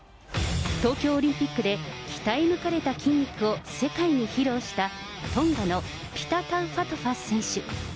東京オリンピックで鍛え抜かれた筋肉を世界に披露した、トンガのピタ・タウファトフア選手。